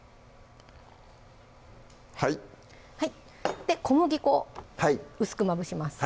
はいはいで小麦粉を薄くまぶします